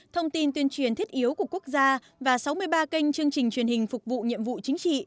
thông tin tuyên truyền thiết yếu của quốc gia và sáu mươi ba kênh chương trình truyền hình phục vụ nhiệm vụ chính trị